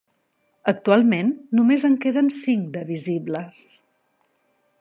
Actualment només en queden cinc de visibles.